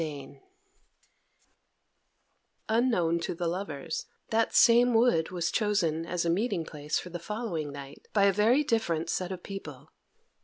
Playing the Lion Unknown to the lovers, that same wood was chosen as a meeting place for the following night by a very different set of people.